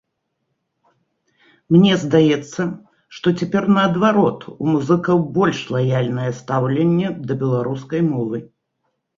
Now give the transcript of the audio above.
Мне здаецца, што цяпер наадварот у музыкаў больш лаяльнае стаўленне да беларускай мовы.